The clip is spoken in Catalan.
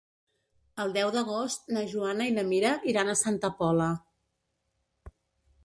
El deu d'agost na Joana i na Mira iran a Santa Pola.